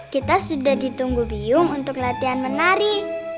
kita sudah ditunggu biyung untuk latihan menari